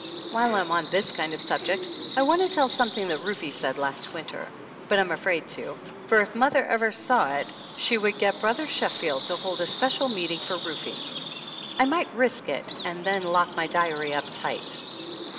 While I'm on this kind of subject I want to tell something that Rufe said last winter, but I'm afraid to, for if mother ever saw it she would get Brother Sheffield to hold a special meeting 39 THE ANNALS OF ANN for Rufe. I might risk it and then lock my diary up tight.